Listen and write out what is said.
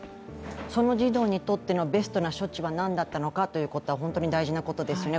その児童にとってのベストな処置は何だったのかということは本当に大事なことですよね。